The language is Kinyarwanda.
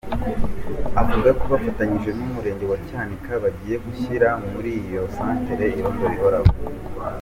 Avuga ko bafatanyije n’Umurenge wa Cyanika bagiye gushyira muri iyo santere irondo rihoraho.